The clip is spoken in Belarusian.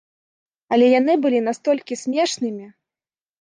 Але яны былі настолькі смешнымі!